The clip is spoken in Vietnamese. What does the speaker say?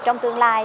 trong tương lai